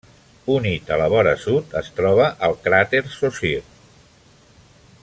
Unit a la vora sud es troba el cràter Saussure.